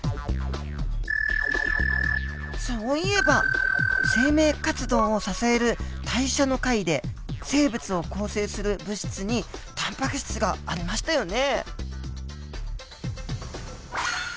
そういえば生命活動を支える代謝の回で生物を構成する物質にタンパク質がありましたよね？